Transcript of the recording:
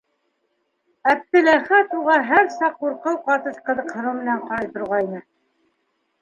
Әптеләхәт уға һәр саҡ ҡурҡыу ҡатыш ҡыҙыҡһыныу менән ҡарай торғайны.